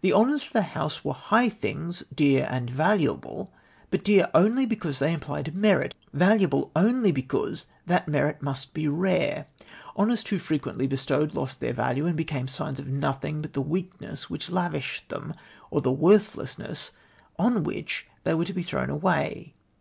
The honours of the House were higli things, dear and valu able ; hut dear only because they implied merit, valuable onl}^ because that merit must he rare. Honours too frequently bestowed lost their value, and liecame signs of notliing but the weakness which lavished them, or tlie worthlessness on which they were to be thrown away.